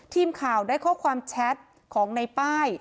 ทีมข่าวได้ข้อความแชทของในป้าย